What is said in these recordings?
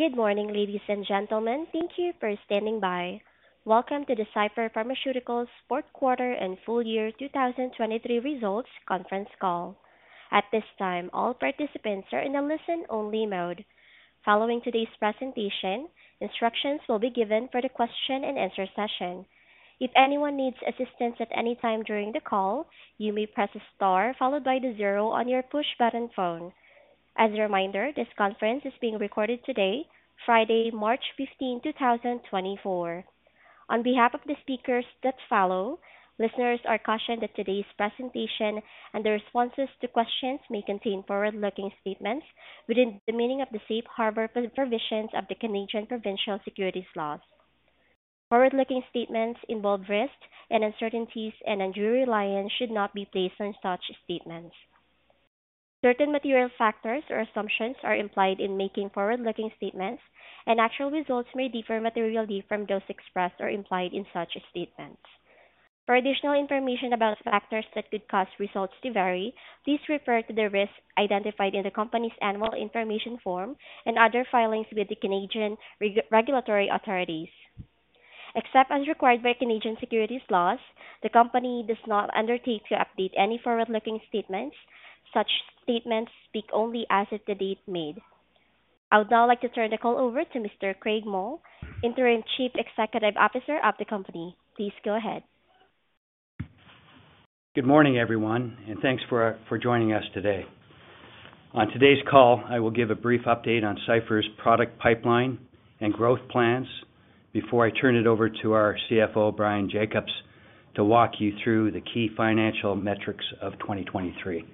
Good morning, ladies and gentlemen. Thank you for standing by. Welcome to the Cipher Pharmaceuticals Fourth Quarter and Full Year 2023 Results Conference Call. At this time, all participants are in a listen-only mode. Following today's presentation, instructions will be given for the question-and-answer session. If anyone needs assistance at any time during the call, you may press star followed by the zero on your push-button phone. As a reminder, this conference is being recorded today, Friday, March 15, 2024. On behalf of the speakers that follow, listeners are cautioned that today's presentation and the responses to questions may contain forward-looking statements within the meaning of the safe harbor provisions of the Canadian provincial securities laws. Forward-looking statements involve risk and uncertainties and undue reliance should not be placed on such statements. Certain material factors or assumptions are implied in making forward-looking statements, and actual results may differ materially from those expressed or implied in such statements. For additional information about factors that could cause results to vary, please refer to the risks identified in the company's Annual Information Form and other filings with the Canadian regulatory authorities. Except as required by Canadian securities laws, the company does not undertake to update any forward-looking statements; such statements speak only as of the date made. I would now like to turn the call over to Mr. Craig Mull, Interim Chief Executive Officer of the company. Please go ahead. Good morning, everyone, and thanks for joining us today. On today's call, I will give a brief update on Cipher's product pipeline and growth plans before I turn it over to our CFO, Bryan Jacobs, to walk you through the key financial metrics of 2023.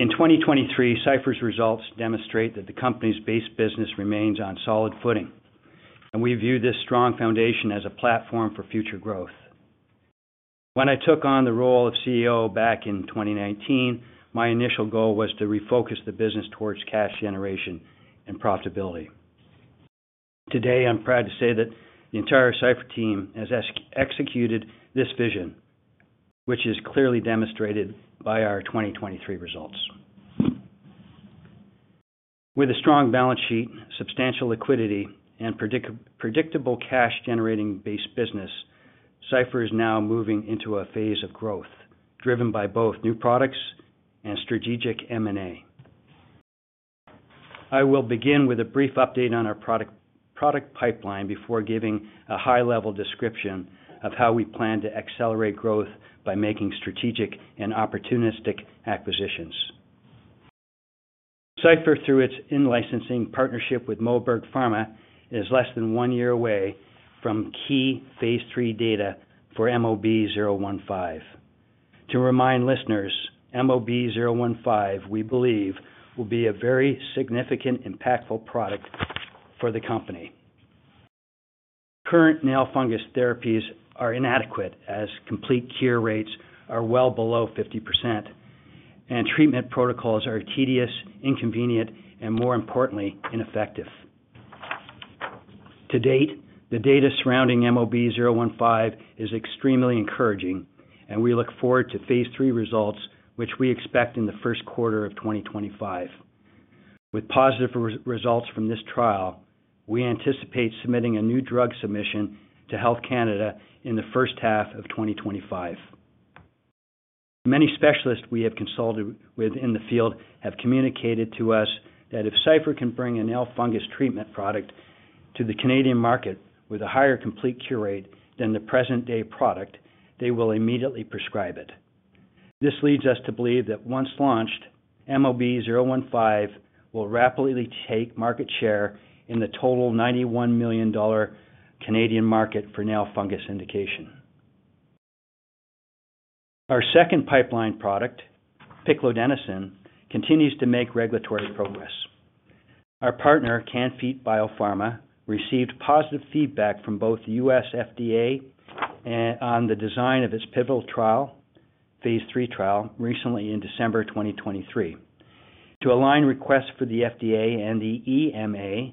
In 2023, Cipher's results demonstrate that the company's base business remains on solid footing, and we view this strong foundation as a platform for future growth. When I took on the role of CEO back in 2019, my initial goal was to refocus the business towards cash generation and profitability. Today, I'm proud to say that the entire Cipher team has executed this vision, which is clearly demonstrated by our 2023 results. With a strong balance sheet, substantial liquidity, and predictable cash-generating base business, Cipher is now moving into a phase of growth driven by both new products and strategic M&A. I will begin with a brief update on our product pipeline before giving a high-level description of how we plan to accelerate growth by making strategic and opportunistic acquisitions. Cipher, through its in-licensing partnership with Moberg Pharma, is less than one year away from key Phase III data for MOB-015. To remind listeners, MOB-015, we believe, will be a very significant, impactful product for the company. Current nail fungus therapies are inadequate as complete cure rates are well below 50%, and treatment protocols are tedious, inconvenient, and more importantly, ineffective. To date, the data surrounding MOB-015 is extremely encouraging, and we look forward to Phase III results, which we expect in the first quarter of 2025. With positive results from this trial, we anticipate submitting a new drug submission to Health Canada in the first half of 2025. Many specialists we have consulted with in the field have communicated to us that if Cipher can bring a nail fungus treatment product to the Canadian market with a higher complete cure rate than the present-day product, they will immediately prescribe it. This leads us to believe that once launched, MOB-015 will rapidly take market share in the total 91 million Canadian dollars Canadian market for nail fungus indication. Our second pipeline product, Piclidenoson, continues to make regulatory progress. Our partner, Can-Fite BioPharma, received positive feedback from both the U.S. FDA on the design of its pivotal trial, Phase III trial, recently in December 2023. To align requests for the FDA and the EMA,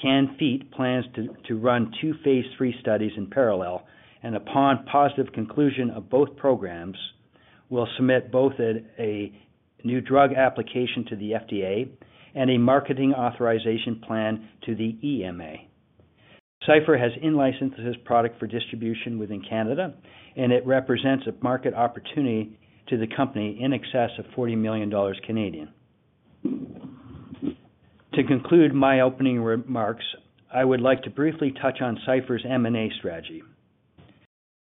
Can-Fite plans to run two Phase III studies in parallel, and upon positive conclusion of both programs, will submit both a new drug application to the FDA and a marketing authorization plan to the EMA. Cipher has in-licensed this product for distribution within Canada, and it represents a market opportunity to the company in excess of 40 million Canadian dollars. To conclude my opening remarks, I would like to briefly touch on Cipher's M&A strategy.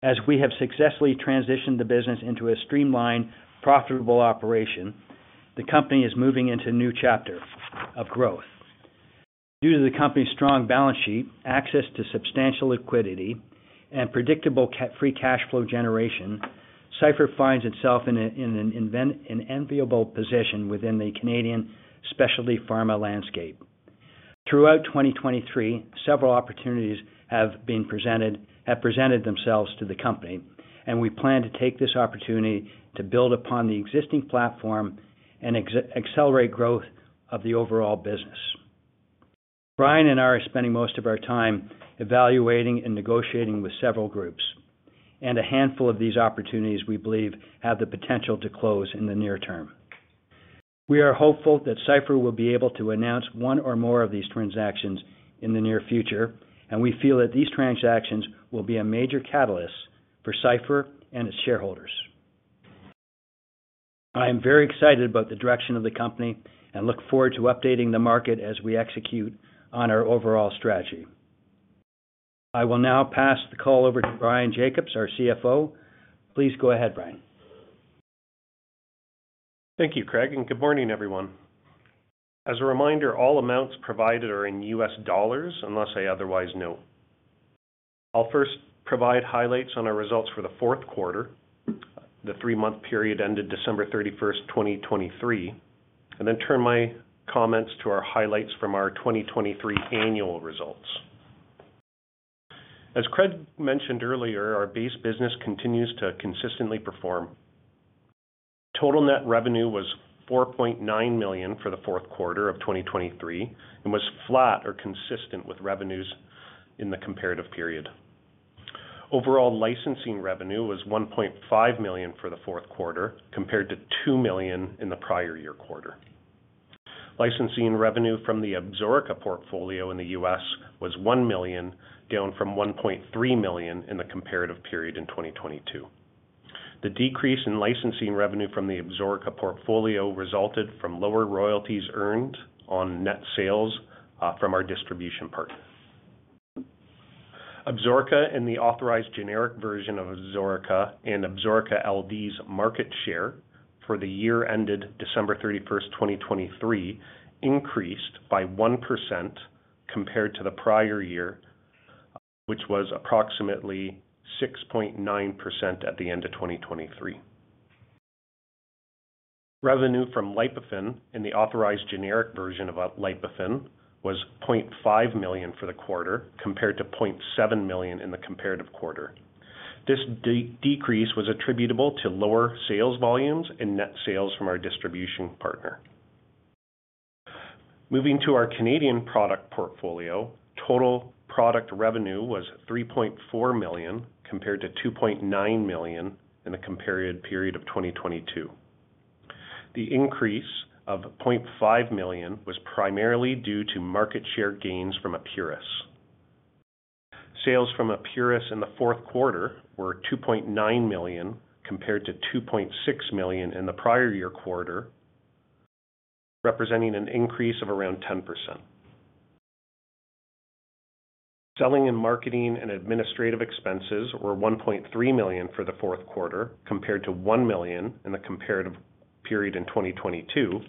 As we have successfully transitioned the business into a streamlined, profitable operation, the company is moving into a new chapter of growth. Due to the company's strong balance sheet, access to substantial liquidity, and predictable free cash flow generation, Cipher finds itself in an enviable position within the Canadian specialty pharma landscape. Throughout 2023, several opportunities have presented themselves to the company, and we plan to take this opportunity to build upon the existing platform and accelerate growth of the overall business. Bryan and I are spending most of our time evaluating and negotiating with several groups, and a handful of these opportunities, we believe, have the potential to close in the near term. We are hopeful that Cipher will be able to announce one or more of these transactions in the near future, and we feel that these transactions will be a major catalyst for Cipher and its shareholders. I am very excited about the direction of the company and look forward to updating the market as we execute on our overall strategy. I will now pass the call over to Bryan Jacobs, our CFO. Please go ahead, Bryan. Thank you, Craig, and good morning, everyone. As a reminder, all amounts provided are in U.S. dollars unless I otherwise note. I'll first provide highlights on our results for the fourth quarter, the three-month period ended December 31st, 2023, and then turn my comments to our highlights from our 2023 annual results. As Craig mentioned earlier, our base business continues to consistently perform. Total net revenue was $4.9 million for the fourth quarter of 2023 and was flat or consistent with revenues in the comparative period. Overall licensing revenue was $1.5 million for the fourth quarter, compared to $2 million in the prior year quarter. Licensing revenue from the Absorica portfolio in the U.S. was $1 million, down from $1.3 million in the comparative period in 2022. The decrease in licensing revenue from the Absorica portfolio resulted from lower royalties earned on net sales from our distribution partner. Absorica and the authorized generic version of Absorica and Absorica LD's market share for the year ended December 31st, 2023, increased by 1% compared to the prior year, which was approximately 6.9% at the end of 2023. Revenue from Lipofen and the authorized generic version of Lipofen was $0.5 million for the quarter, compared to $0.7 million in the comparative quarter. This decrease was attributable to lower sales volumes and net sales from our distribution partner. Moving to our Canadian product portfolio, total product revenue was $3.4 million compared to $2.9 million in the comparative period of 2022. The increase of $0.5 million was primarily due to market share gains from Epuris. Sales from Epuris in the fourth quarter were $2.9 million compared to $2.6 million in the prior year quarter, representing an increase of around 10%. Selling and marketing and administrative expenses were $1.3 million for the fourth quarter, compared to $1 million in the comparative period in 2022.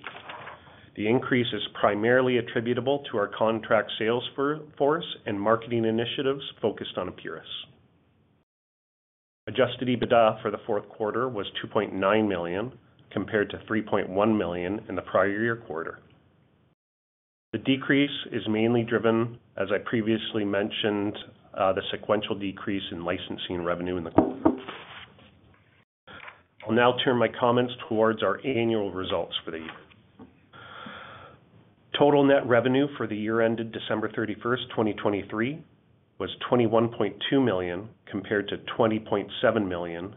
The increase is primarily attributable to our contract sales force and marketing initiatives focused on Epuris. Adjusted EBITDA for the fourth quarter was $2.9 million compared to $3.1 million in the prior year quarter. The decrease is mainly driven, as I previously mentioned, by the sequential decrease in licensing revenue in the quarter. I'll now turn my comments towards our annual results for the year. Total net revenue for the year ended December 31st, 2023, was $21.2 million compared to $20.7 million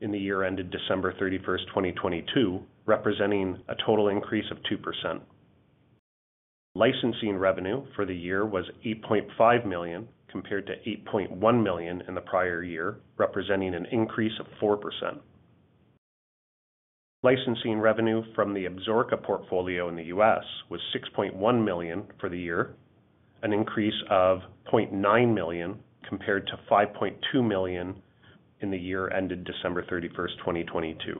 in the year ended December 31st, 2022, representing a total increase of 2%. Licensing revenue for the year was $8.5 million compared to$8.1 million in the prior year, representing an increase of 4%. Licensing revenue from the Absorica portfolio in the U.S. was $6.1 million for the year, an increase of $0.9 million compared to $5.2 million in the year ended December 31st, 2022.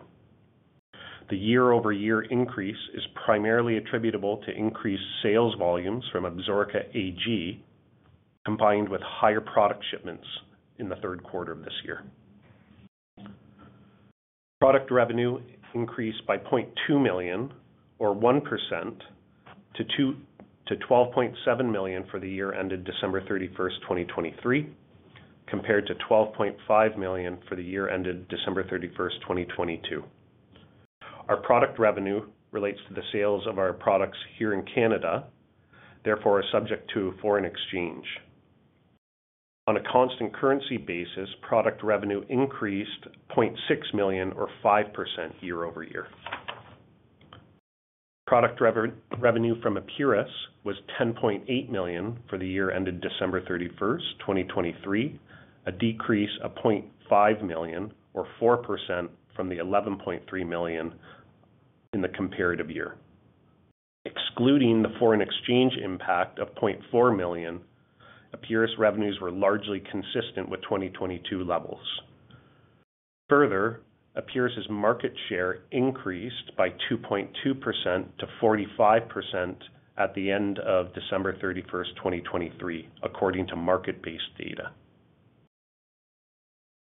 The year-over-year increase is primarily attributable to increased sales volumes from Absorica AG, combined with higher product shipments in the third quarter of this year. Product revenue increased by $0.2 million, or 1%, to $12.7 million for the year ended December 31st, 2023, compared to $12.5 million for the year ended December 31st, 2022. Our product revenue relates to the sales of our products here in Canada, therefore subject to foreign exchange. On a constant currency basis, product revenue increased $0.6 million, or 5%, year-over-year. Product revenue from Epuris was $10.8 million for the year ended December 31st, 2023, a decrease of $0.5 million, or 4%, from the $11.3 million in the comparative year. Excluding the foreign exchange impact of $0.4 million, Epuris revenues were largely consistent with 2022 levels. Further, Epuris's market share increased by 2.2% to 45% at the end of December 31st, 2023, according to market-based data.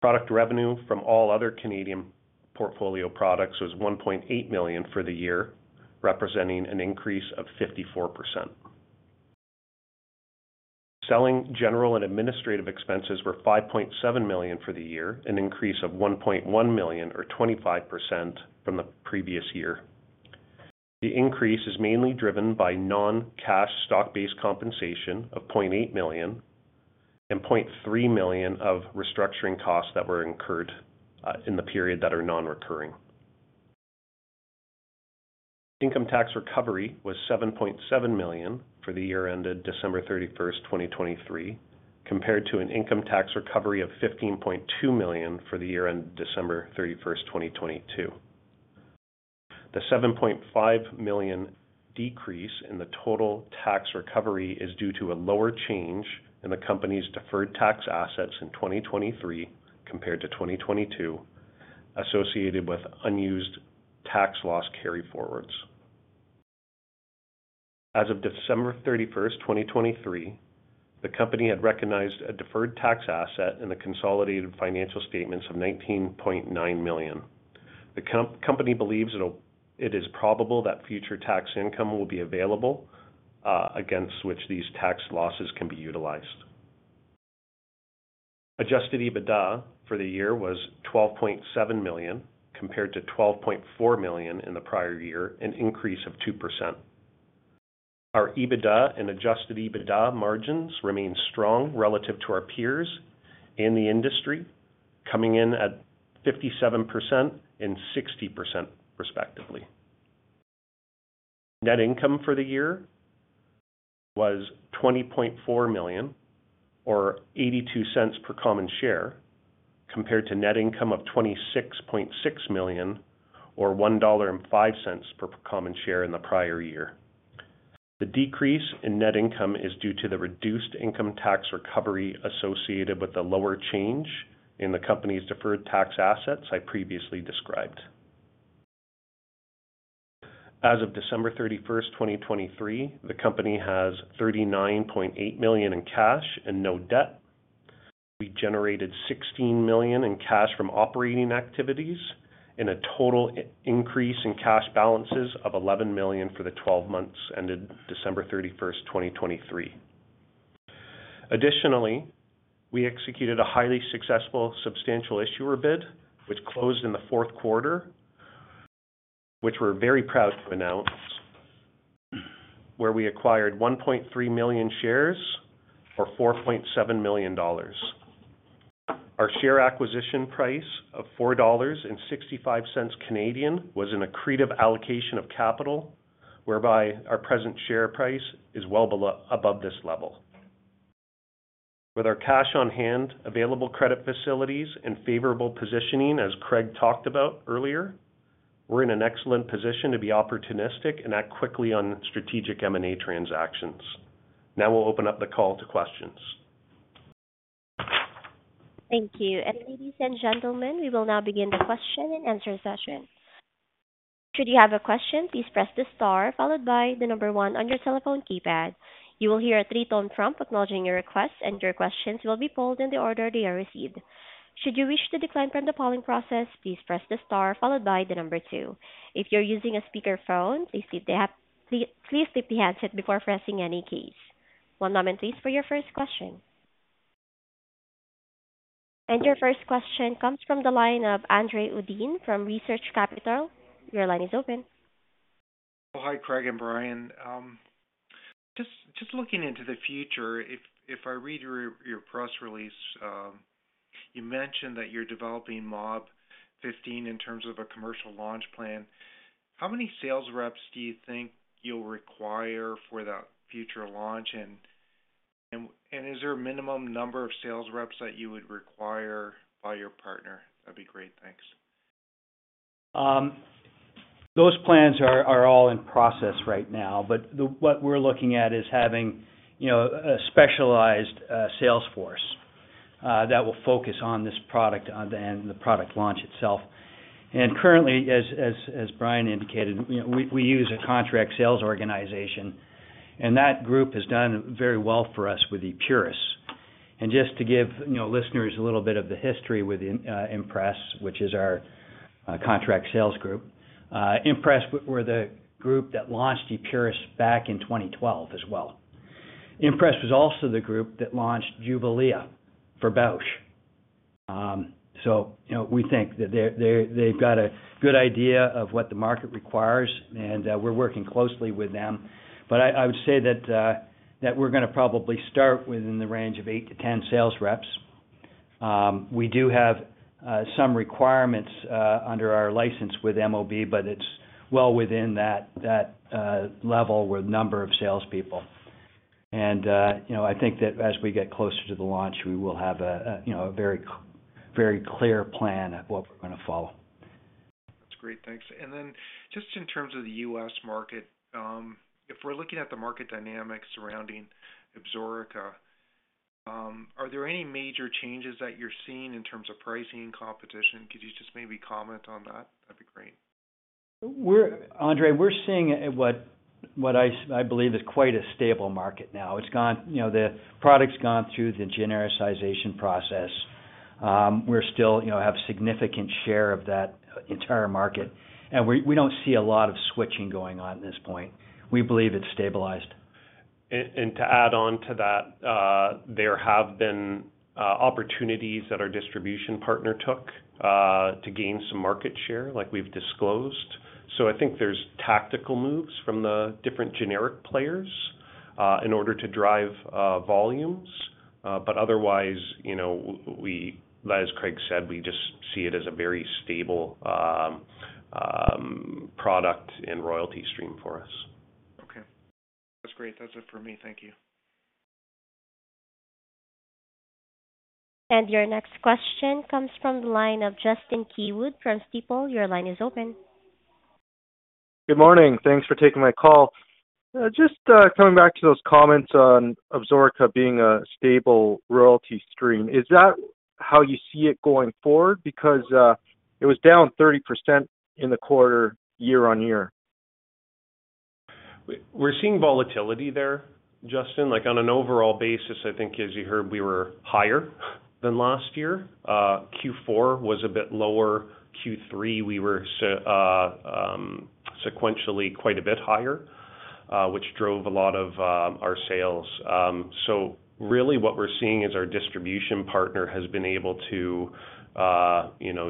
Product revenue from all other Canadian portfolio products was $1.8 million for the year, representing an increase of 54%. Selling general and administrative expenses were $5.7 million for the year, an increase of $1.1 million, or 25%, from the previous year. The increase is mainly driven by non-cash stock-based compensation of $0.8 million and $0.3 million of restructuring costs that were incurred in the period that are non-recurring. Income tax recovery was $7.7 million for the year ended December 31st, 2023, compared to an income tax recovery of $15.2 million for the year ended December 31st, 2022. The $7.5 million decrease in the total tax recovery is due to a lower change in the company's deferred tax assets in 2023 compared to 2022, associated with unused tax loss carryforwards. As of December 31st, 2023, the company had recognized a deferred tax asset in the consolidated financial statements of $19.9 million. The company believes it is probable that future tax income will be available against which these tax losses can be utilized. Adjusted EBITDA for the year was $12.7 million compared to $12.4 million in the prior year, an increase of 2%. Our EBITDA and adjusted EBITDA margins remain strong relative to our peers in the industry, coming in at 57% and 60%, respectively. Net income for the year was $20.4 million, or $0.82 per common share, compared to net income of $26.6 million, or $1.05 per common share in the prior year. The decrease in net income is due to the reduced income tax recovery associated with the lower change in the company's deferred tax assets I previously described. As of December 31st, 2023, the company has $39.8 million in cash and no debt. We generated $16 million in cash from operating activities, and a total increase in cash balances of $11 million for the 12 months ended December 31st, 2023. Additionally, we executed a highly successful substantial issuer bid, which closed in the fourth quarter, which we're very proud to announce, where we acquired 1.3 million shares, or $4.7 million. Our share acquisition price of 4.65 Canadian dollars was an accretive allocation of capital, whereby our present share price is well above this level. With our cash on hand, available credit facilities, and favorable positioning, as Craig talked about earlier, we're in an excellent position to be opportunistic and act quickly on strategic M&A transactions. Now we'll open up the call to questions. Thank you. Ladies and gentlemen, we will now begin the question and answer session. Should you have a question, please press the star followed by the number one on your telephone keypad. You will hear a 3-tone prompt acknowledging your request, and your questions will be polled in the order they are received. Should you wish to decline from the polling process, please press the star followed by the number two. If you're using a speakerphone, please flip the handset before pressing any case. One moment, please, for your first question. Your first question comes from the line of André Uddin from Research Capital. Your line is open. Hi, Craig and Bryan. Just looking into the future, if I read your press release, you mentioned that you're developing MOB-015 in terms of a commercial launch plan. How many sales reps do you think you'll require for that future launch? And is there a minimum number of sales reps that you would require by your partner? That'd be great. Thanks. Those plans are all in process right now, but what we're looking at is having a specialized sales force that will focus on this product and the product launch itself. Currently, as Bryan indicated, we use a contract sales organization, and that group has done very well for us with Epuris. Just to give listeners a little bit of the history with Impres, which is our contract sales group, Impres were the group that launched Epuris back in 2012 as well. Impres was also the group that launched Jublia for Bausch. We think that they've got a good idea of what the market requires, and we're working closely with them. I would say that we're going to probably start within the range of eight to 10 sales reps. We do have some requirements under our license with MOB, but it's well within that level with the number of salespeople. I think that as we get closer to the launch, we will have a very clear plan of what we're going to follow. That's great. Thanks. And then just in terms of the U.S. market, if we're looking at the market dynamics surrounding Absorica, are there any major changes that you're seeing in terms of pricing and competition? Could you just maybe comment on that? That'd be great. André, we're seeing what I believe is quite a stable market now. The product's gone through the genericization process. We still have a significant share of that entire market, and we don't see a lot of switching going on at this point. We believe it's stabilized. And to add on to that, there have been opportunities that our distribution partner took to gain some market share like we've disclosed. So I think there's tactical moves from the different generic players in order to drive volumes. But otherwise, as Craig said, we just see it as a very stable product and royalty stream for us. Okay. That's great. That's it for me. Thank you. Your next question comes from the line of Justin Keywood from Stifel. Your line is open. Good morning. Thanks for taking my call. Just coming back to those comments on Absorica being a stable royalty stream, is that how you see it going forward? Because it was down 30% in the quarter, year-over-year. We're seeing volatility there, Justin. On an overall basis, I think, as you heard, we were higher than last year. Q4 was a bit lower. Q3, we were sequentially quite a bit higher, which drove a lot of our sales. So really, what we're seeing is our distribution partner has been able to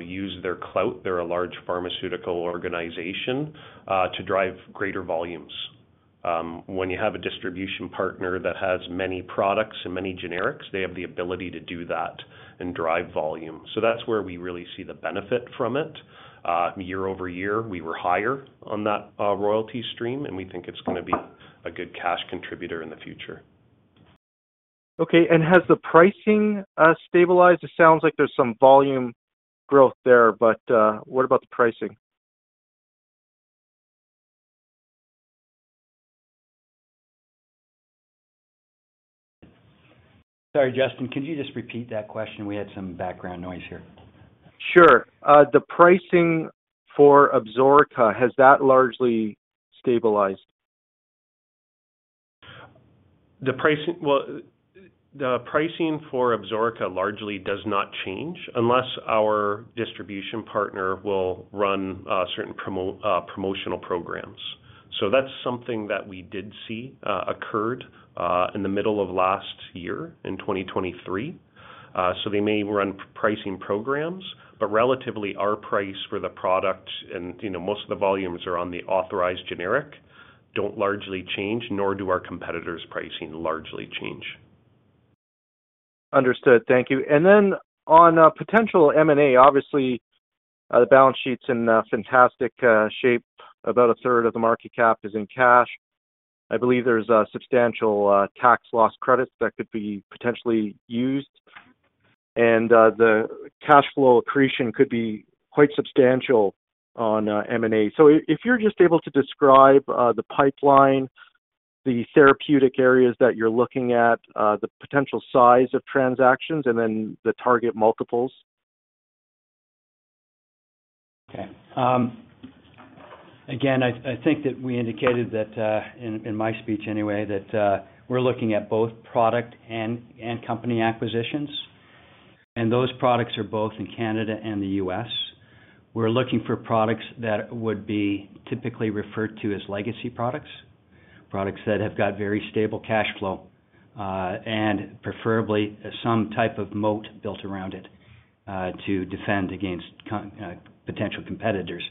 use their clout. They're a large pharmaceutical organization to drive greater volumes. When you have a distribution partner that has many products and many generics, they have the ability to do that and drive volume. So that's where we really see the benefit from it. Year-over-year, we were higher on that royalty stream, and we think it's going to be a good cash contributor in the future. Okay. Has the pricing stabilized? It sounds like there's some volume growth there, but what about the pricing? Sorry, Justin, can you just repeat that question? We had some background noise here. Sure. The pricing for Absorica, has that largely stabilized? The pricing for Absorica largely does not change unless our distribution partner will run certain promotional programs. So that's something that we did see occurred in the middle of last year, in 2023. So they may run pricing programs, but relatively, our price for the product and most of the volumes are on the authorized generic, don't largely change, nor do our competitors' pricing largely change. Understood. Thank you. And then on potential M&A, obviously, the balance sheet's in fantastic shape. About a third of the market cap is in cash. I believe there's substantial tax loss credits that could be potentially used, and the cash flow accretion could be quite substantial on M&A. So if you're just able to describe the pipeline, the therapeutic areas that you're looking at, the potential size of transactions, and then the target multiples? Okay. Again, I think that we indicated that in my speech, anyway, that we're looking at both product and company acquisitions, and those products are both in Canada and the U.S. We're looking for products that would be typically referred to as legacy products, products that have got very stable cash flow, and preferably some type of moat built around it to defend against potential competitors.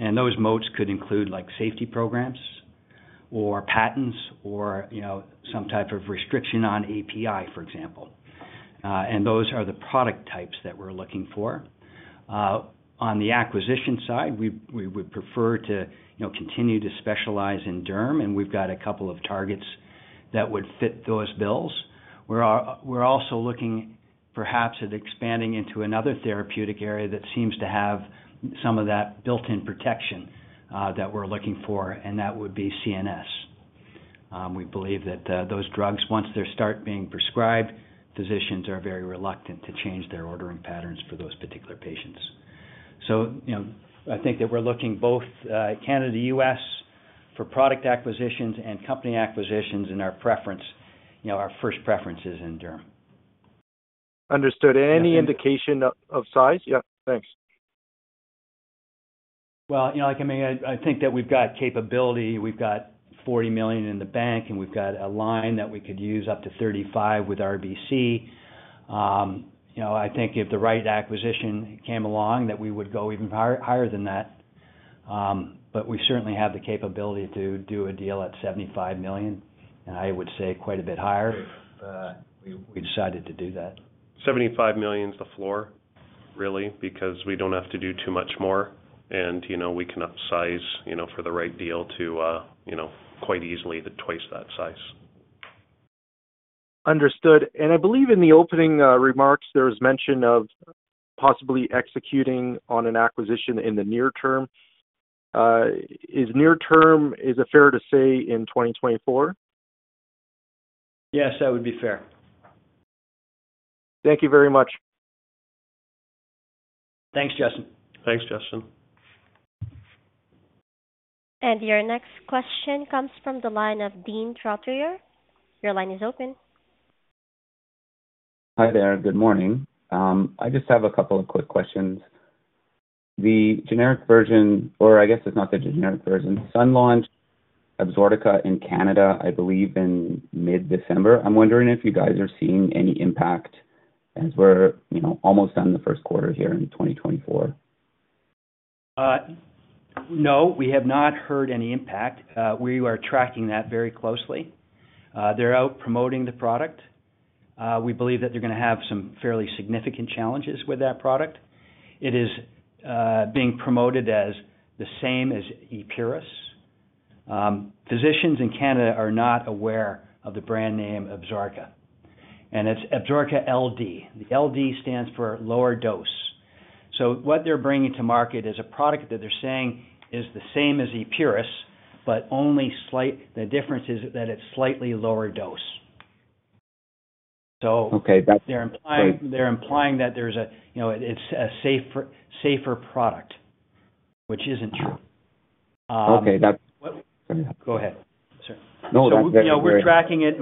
And those moats could include safety programs or patents or some type of restriction on API, for example. And those are the product types that we're looking for. On the acquisition side, we would prefer to continue to specialize in derm, and we've got a couple of targets that would fit those bills. We're also looking, perhaps, at expanding into another therapeutic area that seems to have some of that built-in protection that we're looking for, and that would be CNS. We believe that those drugs, once they start being prescribed, physicians are very reluctant to change their ordering patterns for those particular patients. So I think that we're looking both Canada-U.S. for product acquisitions and company acquisitions, and our first preference is in derm. Understood. And any indication of size? Yeah. Thanks. Well, I mean, I think that we've got capability. We've got $40 million in the bank, and we've got a line that we could use up to $35 million with RBC. I think if the right acquisition came along, that we would go even higher than that. But we certainly have the capability to do a deal at $75 million, and I would say quite a bit higher if we decided to do that. 75 million's the floor, really, because we don't have to do too much more, and we can upsize for the right deal to quite easily twice that size. Understood. I believe in the opening remarks, there was mention of possibly executing on an acquisition in the near term. Is near term fair to say in 2024? Yes, that would be fair. Thank you very much. Thanks, Justin. Thanks, Justin. Your next question comes from the line of Dean Trottier. Your line is open. Hi there. Good morning. I just have a couple of quick questions. The generic version, or I guess it's not the generic version, Sun launched Absorica in Canada, I believe, in mid-December. I'm wondering if you guys are seeing any impact as we're almost done the first quarter here in 2024. No, we have not heard any impact. We are tracking that very closely. They're out promoting the product. We believe that they're going to have some fairly significant challenges with that product. It is being promoted as the same as Epuris. Physicians in Canada are not aware of the brand name Absorica, and it's Absorica LD. The LD stands for lower dose. So what they're bringing to market is a product that they're saying is the same as Epuris, but the difference is that it's slightly lower dose. So they're implying that it's a safer product, which isn't true. Okay. Sorry. Go ahead. No, that's fair. We're tracking it.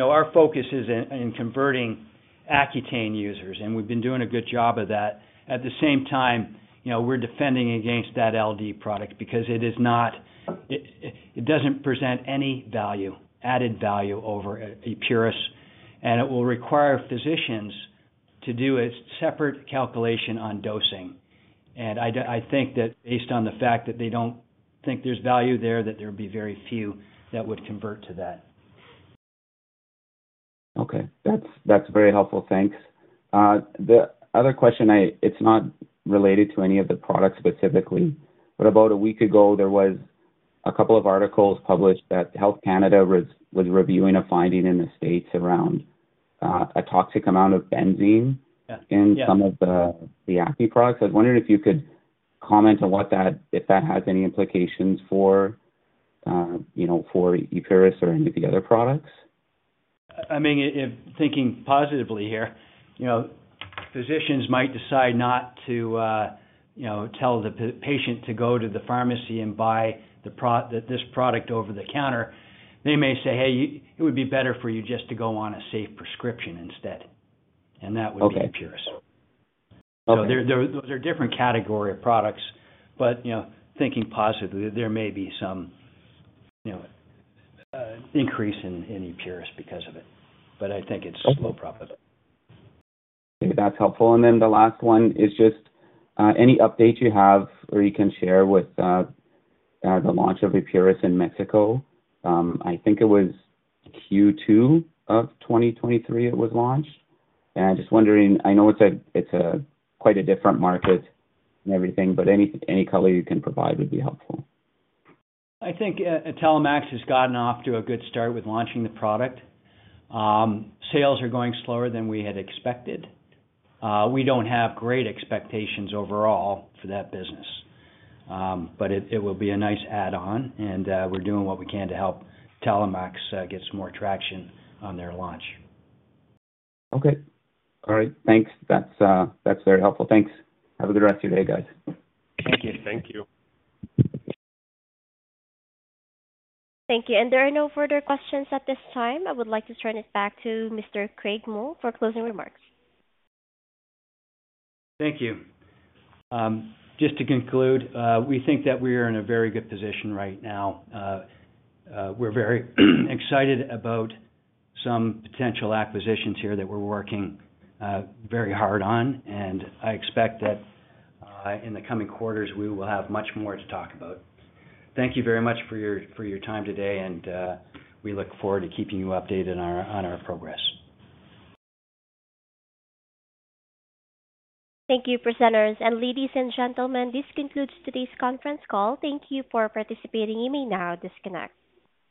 Our focus is in converting Accutane users, and we've been doing a good job of that. At the same time, we're defending against that LD product because it doesn't present any added value over Epuris, and it will require physicians to do a separate calculation on dosing. I think that based on the fact that they don't think there's value there, that there would be very few that would convert to that. Okay. That's very helpful. Thanks. The other question, it's not related to any of the products specifically, but about a week ago, there was a couple of articles published that Health Canada was reviewing a finding in the States around a toxic amount of benzene in some of the Accutane products. I was wondering if you could comment on what that if that has any implications for Epuris or any of the other products. I mean, thinking positively here, physicians might decide not to tell the patient to go to the pharmacy and buy this product over the counter. They may say, "Hey, it would be better for you just to go on a safe prescription instead," and that would be Epuris. So those are different category of products, but thinking positively, there may be some increase in Epuris because of it, but I think it's low probability. Okay. That's helpful. And then the last one is just any update you have or you can share with the launch of Epuris in Mexico. I think it was Q2 of 2023. It was launched. And I'm just wondering, I know it's quite a different market and everything, but any color you can provide would be helpful. I think Italmex has gotten off to a good start with launching the product. Sales are going slower than we had expected. We don't have great expectations overall for that business, but it will be a nice add-on, and we're doing what we can to help Italmex get some more traction on their launch. Okay. All right. Thanks. That's very helpful. Thanks. Have a good rest of your day, guys. Thank you. Thank you. Thank you. There are no further questions at this time. I would like to turn it back to Mr. Craig Mull for closing remarks. Thank you. Just to conclude, we think that we are in a very good position right now. We're very excited about some potential acquisitions here that we're working very hard on, and I expect that in the coming quarters, we will have much more to talk about. Thank you very much for your time today, and we look forward to keeping you updated on our progress. Thank you, presenters. Ladies and gentlemen, this concludes today's conference call. Thank you for participating. You may now disconnect.